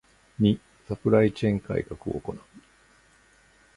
ⅱ サプライチェーン改革を行う